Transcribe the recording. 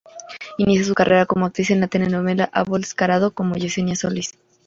Inicia su carrera como actriz en la telenovela Amor descarado como Yesenia Solís.